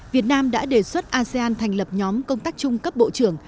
việt nam đã đề xuất asean thành lập nhóm công tác chung cấp bộ trưởng